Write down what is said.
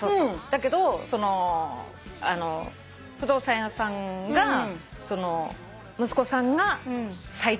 だけどその不動産屋さんが息子さんが最適ですって。